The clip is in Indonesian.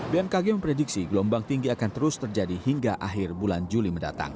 bmkg memprediksi gelombang tinggi akan terus terjadi hingga akhir bulan juli mendatang